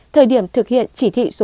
thời điểm thực hiện chỉ thị số một mươi